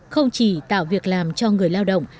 không chỉ tạo việc làm cho người lao động